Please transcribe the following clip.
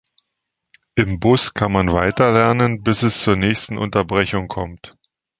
Im Bus kann man weiter lernen bis es zur nächsten Unterbrechung kommt.